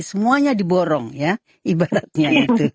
semuanya diborong ya ibaratnya itu